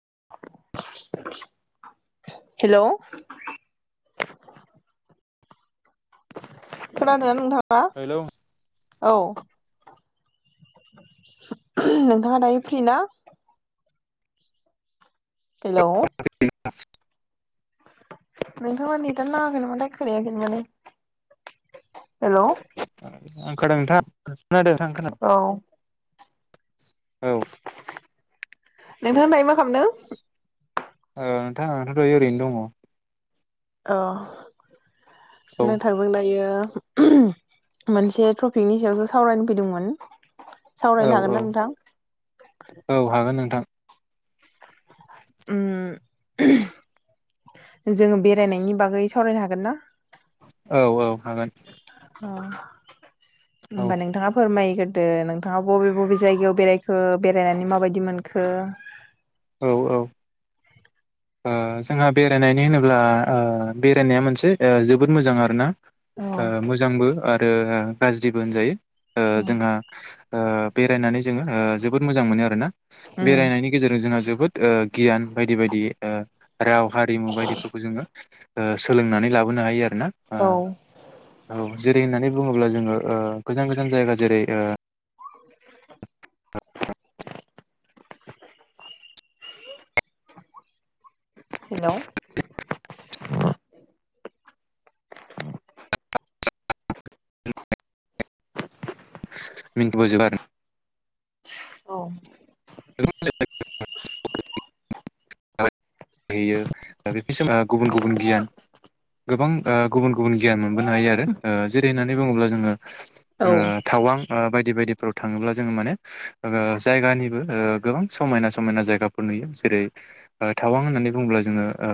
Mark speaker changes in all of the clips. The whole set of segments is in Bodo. Speaker 1: [unintelligible] हेल खोनादोंना नोंथां
Speaker 2: हेल
Speaker 1: औ नोंथाङा दायो फ्रि ना हेल
Speaker 2: [unintelligible] [unintelligible]
Speaker 1: नोंथांना नेटयानो नांयाखै नामाथाय खोनायाखै माने। हेल'
Speaker 2: आं खोनादों नोंथां
Speaker 1: औ
Speaker 2: खोनादों औ।
Speaker 1: नोंथाङा दायो मा खालामदो‌
Speaker 2: ओ नोंथां ओ दायो ओरैनो दङ।
Speaker 1: अ नोंथांजों दायो। मोनसे टपिकनि सायावसो सावरायनो फैदोंमोन।
Speaker 2: औ
Speaker 1: सावरायनो हागोन ना
Speaker 2: औ
Speaker 1: नोंथां
Speaker 2: औ हागोन नोंथां
Speaker 1: उम जोङो बेरायनायनि बागै सावरायनो हागोन ना
Speaker 2: औ औ हागोन। औ
Speaker 1: होनबा नोंथाङा फोरमा यग्रोदो नोंथाङा बबे बबे जायगायाव बेरायखो बेरायनानै माबायदि मोनखो
Speaker 2: औ औ ओ जोंहा बेरायनायनि होनोब्ला ओ बेरायनाया मोनसे ओ जोबोद मोजां आरोना। ओ
Speaker 1: औ
Speaker 2: मोजांबो आरो गाज्रिबो होनजायो ओ जोंहा। ओ बेरायनानै जोङो ओ जोबोद मोजां मोनो आरोना
Speaker 1: उम
Speaker 2: बेरायनायनि गेजेरजों जोंहा जोबो बोद गियान बायदि बायदि ओ राव हारिमु बायदिफोरखौ जोङो ओ सोलोंनानै लाबोनो हायो आरोना ओ
Speaker 1: औ
Speaker 2: औ जेरै होननानै बुङोब्ला जोङो ओ गोजान गोजान जायगा जेरै ओ
Speaker 1: हेल'
Speaker 2: [unintelligible] [inaudible]
Speaker 1: औ
Speaker 2: [unintelligible] [unintelligible] हैयो दा [unintelligible] गुबुन गुबुन गियान गोबां ओ गुबुन गुबुन गियान मोनबोनो हायो आरो जेरै होननानै बुङोब्ला जोङो
Speaker 1: औ
Speaker 2: ओ थावां ओ बायदि बायदि बायदिफ्राव थाङोब्ला जोङो माने ओ जायगानिबो ओ गोबां समायना समायना जायगाफोर नुयो जेरै थावां होननानै बुङोब्ला जोङो ओ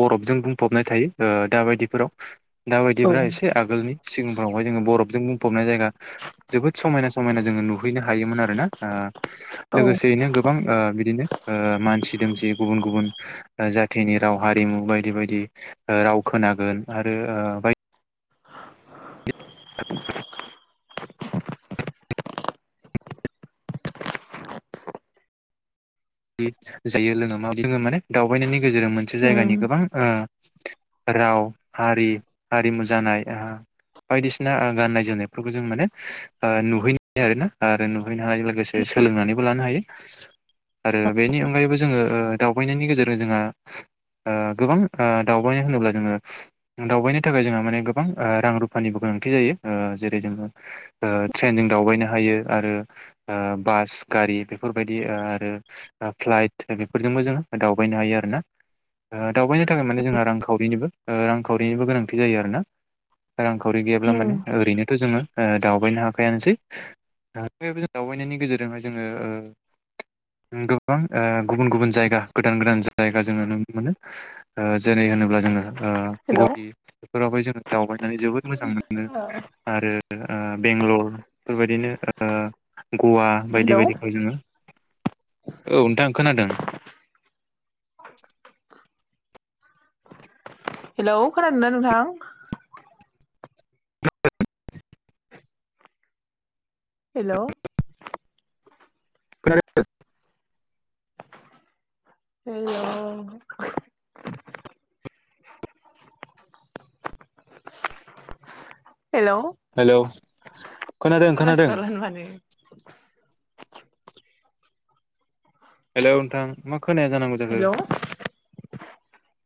Speaker 2: बरफजों बुंफबनाय थायो ओ दाबायदिफोराव
Speaker 1: औ
Speaker 2: दाबायदिफोरा एसे आगोलनि सिगांफ्रावहाय जोङो बरफजों बुंफबनाय जायगा जोबोद समायना समायना जोङो नुहैनो हायोमोन आरो ना [unintelligible]
Speaker 1: औ
Speaker 2: लोगोसेयैनो गोबां ओ बिदिनो ओ मानसि दोमसि गुबुन गुबुन जाथिनि राव हारिमु बायदि बायदि राव खोनागोन आरो ओ बाय बि जायो लोङो मा बि जोङो माने दावबायनायनि गेजेरजों मोनसे
Speaker 1: उम
Speaker 2: जायगानि गोबां ओ राव हारि हारिमु जानाय ओ बायदिसिना गाननाय जोमनायफोरखौ जों माने नुहैनो आरोना आरो नुहैनो हानाय लोगोसे सोलोंनानैबो लानो हायो आरो बेनि अनगायैबो जोङो ओ दावबायनायनि गेजेरजों जोंहा ओ गोबां ओ दावबायनो होनोब्ला जोङो दावबायनो थाखाय जोंहा माने गोबां ओ रां रुफानिबो गो गोनांथि जायो ओ जेरै जोङो ओ ट्रेनजों दावबायनो हायो आरो ओ बास गारि बेफोरबायदि ओ आरो फ्लाइट बेफोरजोंबो जोङो दावबायनो हायो आरो ना ओ दावबायनो बेनि थाखाय माने जोंहा रांखावरिनिबो ओ रांखावरिनिबो गोनांथि जायो आरोना रांखावरि गैयाब्ला माने
Speaker 1: उम
Speaker 2: ओरैनोथ' जोङो ओ दावबायनो हाखायानोसै [unintelligible] दावबायनायनि गेजेरजोंहाय जोङो ओ उम गोबां ओ गुबुन गुबुन जायगा गोदान गोदान जायगा जोङो नुनो मोनो ओ जेरै होनोब्ला जोङो ओ
Speaker 1: हेलौ
Speaker 2: गबि बेफोरावहाय जोङो दावबायनानै जोबोद मोजां मोनो
Speaker 1: ओ
Speaker 2: आरो ओ बेंगलर बेफोरबायदिनो ओ गवा बायदि
Speaker 1: हेलौ
Speaker 2: बायदिफ्राव जोङो औ नोंथां खोनादों
Speaker 1: हेलौ खोनादोंना नोंथां? हेल'
Speaker 2: खोनादों?
Speaker 1: हेल [inaudible] [inaudible] हेल'
Speaker 2: हेलौ खोनादों खोनादों
Speaker 1: [unintelligible]
Speaker 2: हेलौ नोंथां मा खोनाया जानांगौ जाखो
Speaker 1: हेलौ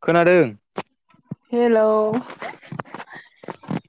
Speaker 2: खोनादों
Speaker 1: हेलौ [inaudible]